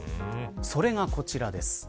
それが、こちらです。